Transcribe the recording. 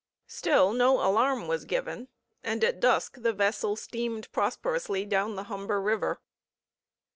Still, no alarm was given, and at dusk the vessel steamed prosperously down the Humber River.